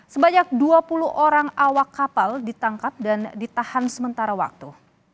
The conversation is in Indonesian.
sebanyak dua puluh orang awak kapal ditangkap dan ditahan sementara waktu